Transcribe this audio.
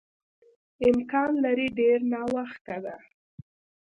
امکان لري ډېر ناوخته ده.